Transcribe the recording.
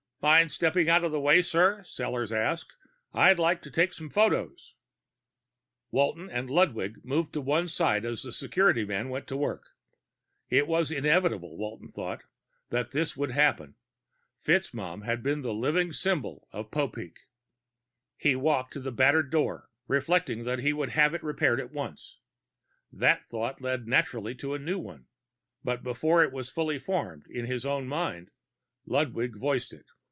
"Mind stepping out of the way, sir?" Sellors asked. "I'd like to take some photos." Walton and Ludwig moved to one side as the security man went to work. It was inevitable, Walton thought, that this would happen. FitzMaugham had been the living symbol of Popeek. He walked to the battered door, reflecting that he would have it repaired at once. That thought led naturally to a new one, but before it was fully formed in his own mind, Ludwig voiced it.